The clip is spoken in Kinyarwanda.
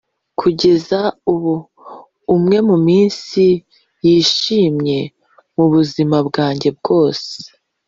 kugeza ubu, umwe mu minsi yishimye mubuzima bwanjye bwose